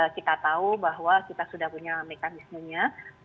kita tahu bahwa kita sudah punya mekanismenya